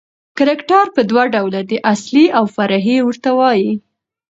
کرکټر په دوه ډوله دئ، اصلي اوفرعي ورته وايي.